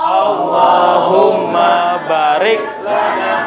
allahumma barik lana